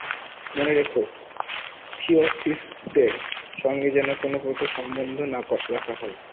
মনে রেখো, থিওসফিষ্টদের সঙ্গে যেন কোন প্রকার সম্বন্ধ না রাখা হয়।